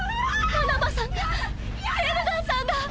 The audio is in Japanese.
ナナバさんがゲルガーさんが！